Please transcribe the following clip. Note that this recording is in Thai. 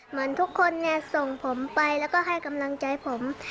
เหมือนทุกคนเนี่ยส่งผมไปแล้วก็ให้กำลังใจผม